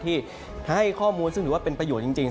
ที่ให้ข้อมูลซึ่งถือว่าเป็นประโยชน์จริง